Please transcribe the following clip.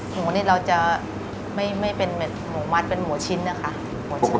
หมูนี่เราจะไม่ไม่เป็นหมูมัดเป็นหมูชิ้นนะครับ